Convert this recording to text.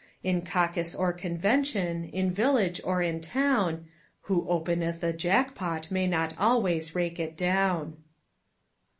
In caucus or convention, in village or in town: "Who openeth a jackpot may not always rake it down."